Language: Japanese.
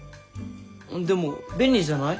でも便利じゃない？